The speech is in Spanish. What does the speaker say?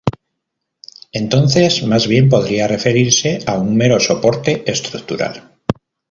Entonces más bien podría referirse a un mero soporte estructural.